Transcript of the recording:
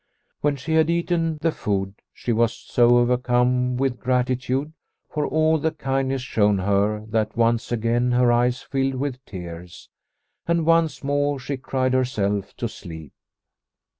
When she had eaten the food, she was so overcome with gratitude for all the kindness shown her that once again her eyes filled with tears, and once more she cried herself to sleep.